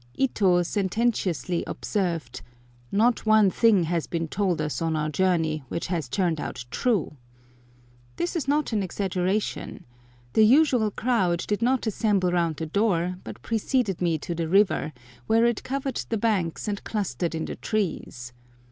Ito sententiously observed, "Not one thing has been told us on our journey which has turned out true!" This is not an exaggeration. The usual crowd did not assemble round the door, but preceded me to the river, where it covered the banks and clustered in the trees.